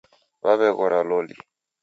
W'aweghora loli.